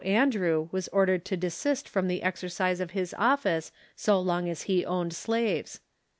Andrew was ordered to desist from the exercise of his office so long as he owned slaves.